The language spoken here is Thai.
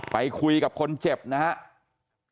ไปคุยกับคนเจ็บนี้